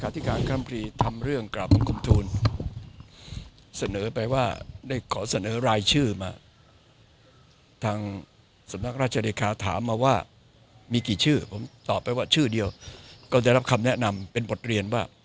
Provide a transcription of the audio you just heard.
ทางสำนักราชธิริคาถามมาว่ามีกี่ชื่อผมตอบไปว่าชื่อเดียวก็ได้รับคำแนะนำเป็นบทเรียนว่า